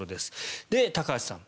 高橋さん。